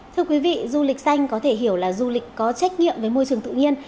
thưa quý vị du lịch xanh có thể hiểu là du lịch có trách nhiệm với môi trường tự nhiên